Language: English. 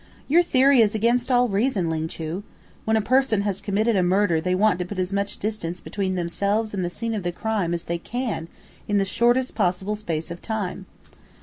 "Your theory is against all reason, Ling Chu. When a person has committed a murder they want to put as much distance between themselves and the scene of the crime as they can in the shortest possible space of time."